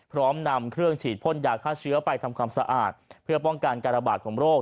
พร้อมนำเครื่องฉีดพ่นยาฆ่าเชื้อไปทำความสะอาดเพื่อป้องกันการระบาดของโรค